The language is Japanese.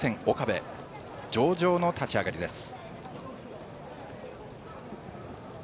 上々の立ち上がりです。